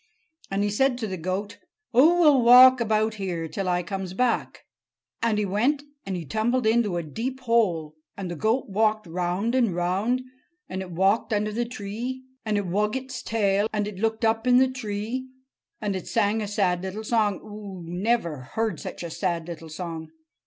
And he said to the goat: 'Oo will walk about here till I comes back.' And he went and he tumbled into a deep hole. And the goat walked round and round. And it walked under the tree. And it wug its tail. And it looked up in the tree. And it sang a sad little song. Oo never heard such a sad little song!